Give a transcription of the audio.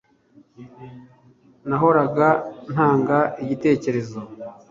nahoraga ntanga igitekerezo